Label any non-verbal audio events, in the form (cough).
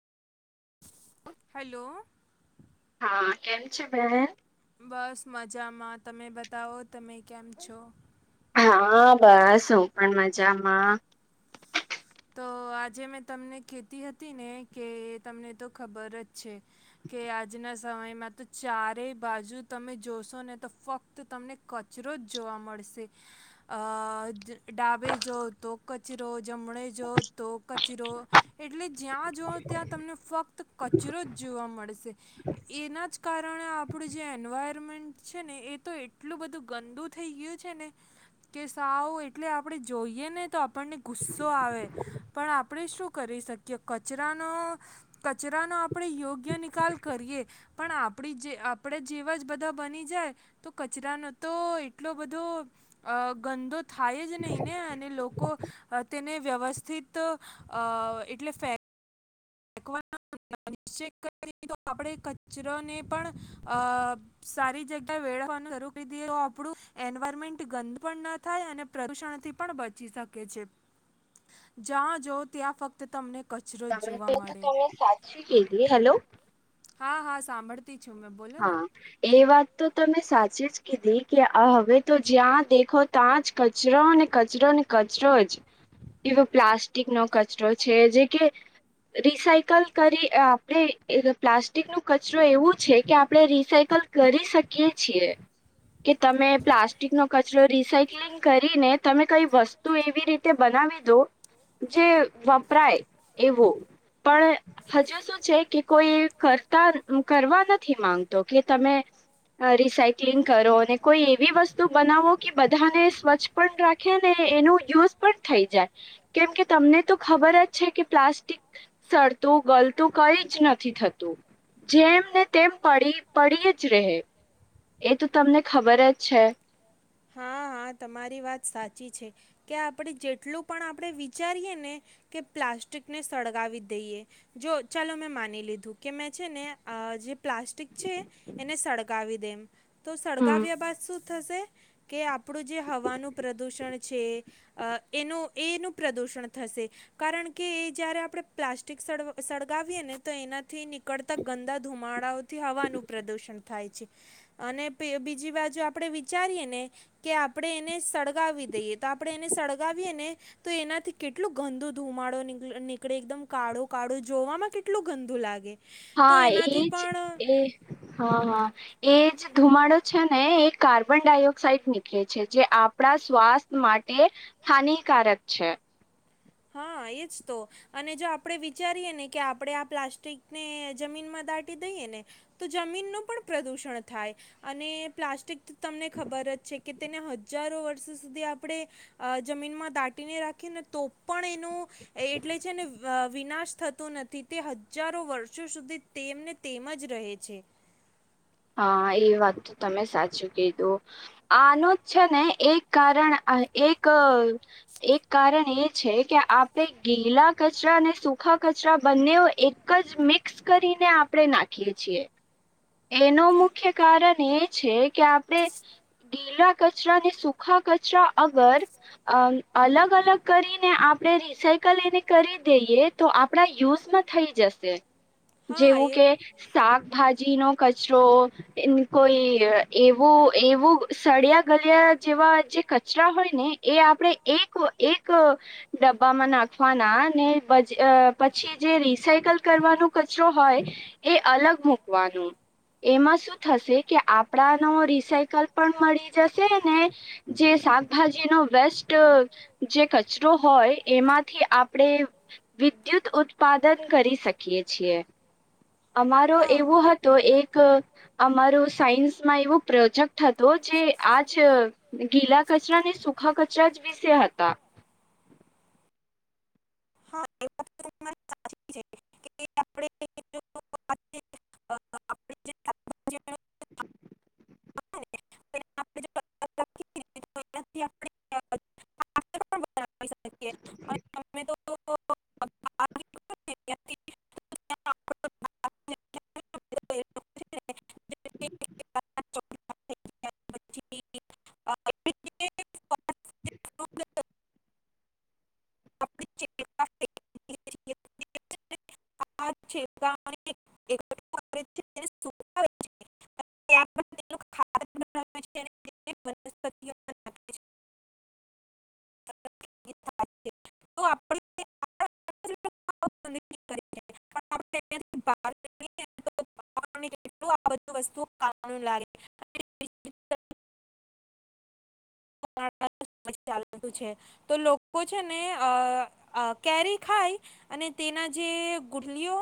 હલોલો હા કેમ છે, બેહેન બસ મજામા, તમે બતાવો તમે કેમ છો. હા, બસ હુ પણ મજામા તો આજે મેં તમને ખેતી હતી ને કે તમને તો ખબર જ છે, કે આજના સમયમા, તો ચારેય બાજુ તમે જોશો, ને તો ફક્ત તમને કચરો જ જો જોવા મળશે ડાબે, જો તો કચરો જમણે જો, તો કચરો એટલે જ્યાં જઓ ત્યાં તમને ફક્ત કચરો જ જોવા મળે એના જ કારણે, આપણું જે એન્વાયરમેન્ટ છે, ને એ તો એટલું બધું ગાધ બધું થઈ ગયું છેને, કે સાવ એટલે આપડણે જોઈએ, ને તો આપણને ગુસ્સો આવે પણ આપણે શું કરી શકીએ કચરાનો કચરાનો આપણે યોગ્ય નિકાલ કરી પણ આપ આપણે, જેવા જ બધા બની જાય તો કચરાનો તો એટલો બધો ગદો થાય જ નહીિ, ને અને લોકો તેને વ્યવસ્ એટલે ફ ફેક તો આપણેે કચરોને પણ અ સારી, જગ્યા વાનું શ કરી દએ તો આપડું એન્વાયરમેન્ટ ગંદ પણ ન થાય, અને પ્રદુષણ થી પણ બચી શકે જ્યાં જો ત્યાં ફક્ત તમને કચરો. જોવા તે મળે. તો તમે સાચી, કીધી હેલો હા હા સાંભળ હા, એ વાત તો તમે સાચી જ કીધી કે હવે, તો જ્યાં દેખો ત્યાં જ કચરો ને કચરો અને કચરો જ એવો પ્લાસ્ટિક નો કચરો છે, જે કે રિસાયકલ કરી આપણે પ્લાસ્ટિક નું કચરો એવું છે કે આપણે રીસાયકલ કરી શકીએ છીએ, કે તમે પ્લાસ્ટિક નો કચરો રીસાયક્લિંગ કરીને તમે કઈ, વસ્તુ એવી રીતે બનાવી દો જે, વપરાય એવો પણ હજુ શું છે, કે કોઈ કરતા કરવા નથી. માંગતા તો, કે તમે અ રિસાયક્લિંગ કરો અને કોઈ, એવી વસ્તુ બનાવો કે બધાને સ્વચ્છ પણ રાખે ને એનું યુસ પણ થઈ જાય, કેમ કે તમને તો ખબર જ, છે, કે પ્લાસ્ટિક સડ તું ગલતું કઈ જ નથી, થતું જેમને તેમ પડી પડી એ જ રહે, એ તો તમને ખબર જ છે. હા હા તમારી વાત સાચી છે કે આપણે જેટલુ, પણ આપણે વિચારીએ ને કે પ્લાસ્ટિકને સળગાવી દઈએ. જો ચાલો મેં માની લીધું કે મેં છે ને, અ જે પ્લાસ્ટિક છે, એને સળગાવી દેમ. તો હમ સળગાવ્યા બાદ શું થશે, કે આપણું જે હવાનું પ્રદુષણ છે, અ એનું એનું પ્રદૂષણ થશે કારણ કે એ જ્યારે, આપણે પ્લાસ્ટિક સળગાવીએે ને તો એનાથી નીકળતા ગંદા ધુમાડાઓથી, હવાનું પ્રદુષણ થાય છે, અને બીજી બાજુ આપડે વિચારીયે, ને કે આપણે એને સળગાવી દઈએ, તો આપણે એને સળગાવીએે, ને તો એનાથી કેટલું ગંદુ ધૂમા નીકળે એકદમ કાળો કાળો, જોવામાં કેટલું ગંદુ લાગે. તો હા એનાથી એજ પણ એ હા, હા એજ ધુમાડો છે ને એ કાર્બન ડાયોક્સાઇડ નીકળે છે જે આપણા સ્વાસ્થ માટે હાનિકારક છે. હ એજ તો અને જો આપણે વિચારીએ ને કે આપણેે આ પ્લાસ્ટિકને જમીનમાં દાટી દઈએ ને તો જમીન નું પણ પ્રદૂષણ થાય અને પ્લાસ્ટિક તમને ખબર જ છે કે તેને હજારો વર્ષ સુધી આપણે અ જમીનમાં દાટીને રાખીને તો પણ એનું એટલે છે, ને અ વિનાશ થતું નથી તે હજારો વર્ષો સુધી તે તેમને તેમ જ રહે છે. (inaudible) હા એ વાત તો તમે સાચું કીધું આનું જ છે ને એક કારણ એક અ એક કારણ એ છે કે આપણે ગીલા કચરાને સુખા કચરા બંને એક જ મિક્સ કરીને આપણે નાખીએ છીએ. એનું હા મુખ્ય કારણ એ છે, કે આપડે ગીલા કચરા ને સૂખા કચરા અગર અ અલગ અલગ કરીને આપણેે રિસાયકલ એને કરી દઈએ તો આપણા યુઝમાં થઈ જશે. હા જેવું એ કે શાકભાજી નો કચરો કોઈ અ એવું એવું સળિયા ગલિયા જેવા કચરા હોયને એ આપણે એક એક અ ડબ્બામાં નાખવાના ને પછી અ જે રિસાયકલ કરવાનું કચરો હોય એ અલગ મૂકવાનું. એમાં શું થશે કે આપણાનો રિસાયકલ પણ મળી જશે ને જે કે શાકભાજી નો વેસ્ટઅ જે કચરો હોય એમાંથી આપણે વિદ્યુત ઉત્પાદન કરી શકીએ છીએ. અમારો હા એવો હત તો એક અમારું સાયન્સમાં એવું પ્રોજેક્ટ હતો જે આજ અ ગીલા કચરાને સૂખા કચરા જ વિશે હતા. (inaudible) આપ જે (unintelligible) (unintelligible) (unintelligible) (unintelligible) (unintelligible) (unintelligible) (unintelligible) (unintelligible) (unintelligible) આ છે એક છે (unintelligible) (unintelligible) તો આપણે (unintelligible) (unintelligible) ટ આ બધ વસ્તુ લાગે (unintelligible) (unintelligible) ચાલતું છે તો લોકો છે ને અ કેરી ખાય અને તે એના જે ગુટલીઓ